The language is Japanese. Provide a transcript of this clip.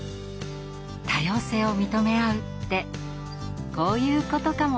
多様性を認め合うってこういうことかもしれませんね。